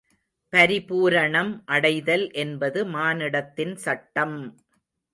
பரிபூரணம் அடைதல் என்பது மானிடத்தின் சட்டம்!